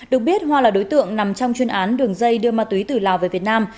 được biết hoa là đối tượng nằm trong chuyên án đường dây đưa ma túy từ lào về việt nam